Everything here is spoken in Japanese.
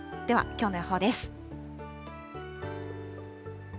では、きょうの予報です。